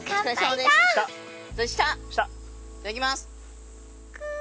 いただきます！